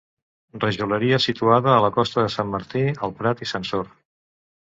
Rajoleria situada a la Costa de Sant Martí al Prats i Sansor.